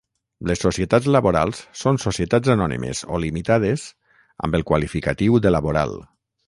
Les societats laborals són societats anònimes o limitades amb el qualificatiu de laboral.